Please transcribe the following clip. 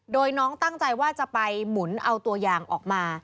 โดยน้องตั้งใจว่าจะไปหมุนเอาตัวยางออกมา